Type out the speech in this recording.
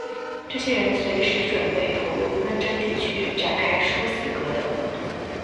这些人随时准备投入纷争地区展开殊死格斗。